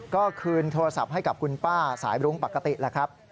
ก็คืนโทรศัพท์ให้กับคุณป้าสายรุ้งปกติแหละครับ